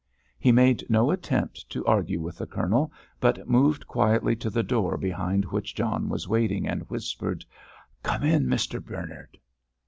He made no attempt to argue with the Colonel, but moved quietly to the door behind which John was waiting, and whispered, "Come in, Mr. Bernard."